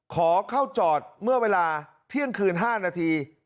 ขอเข้าจอดเมื่อเวลาเที่ยงคืน๕นาที